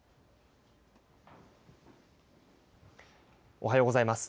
おはようございます。